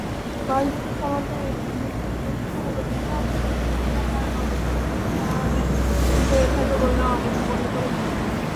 মালদ্বীপের সমাজের একটি বিশেষ বৈশিষ্ট্য হলো বিবাহ বিচ্ছেদের উচ্চ হার, বাল্যবিবাহের কারণে এটি হয়ে থাকে বলে অনেকে মনে করে থাকেন।